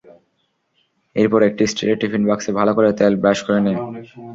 এরপর একটি স্টিলের টিফিন বাক্সে ভালো করে তেল ব্রাশ করে নিন।